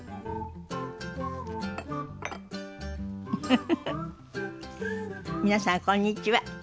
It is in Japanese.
フフフフ皆さんこんにちは。